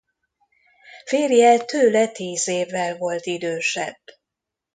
Férje tőle tíz évvel volt idősebb.